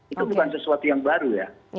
itu bukan sesuatu yang baru ya